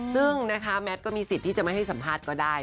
ซึ่งนะคะแมทก็มีสิทธิ์ที่จะไม่ให้สัมภาษณ์ก็ได้